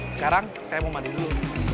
sekarang saya mau mandi dulu